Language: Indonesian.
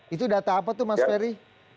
itu data apa tuh mas ferry